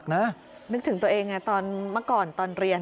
นึกถึงตัวเองไงตอนเมื่อก่อนตอนเรียน